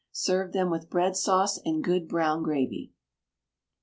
Serve them with bread sauce and good brown gravy.